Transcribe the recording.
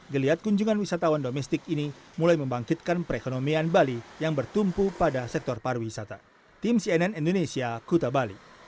geliat kunjungan wisatawan domestik ini mulai membangkitkan perekonomian bali yang bertumpu pada sektor pariwisata